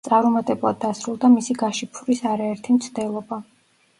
წარუმატებლად დასრულდა მისი გაშიფვრის არაერთი მცდელობა.